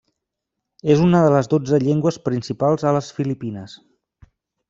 És una de les dotze llengües principals a les Filipines.